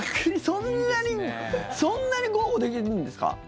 そんなに豪語できるんですか？